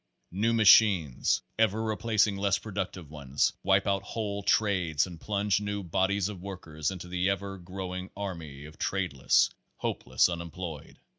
New machines, ever replac ing less productive ones, wipe put whole trades and plunge new bodies of workers into the ever growing army of tradeless, hopeless unemployed.